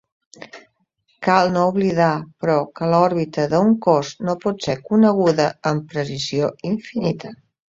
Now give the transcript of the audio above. Cal no oblidar, però, que l'òrbita d'un cos no pot ser coneguda amb precisió infinita.